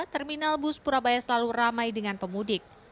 terminal bus purabaya selalu ramai dengan pemudik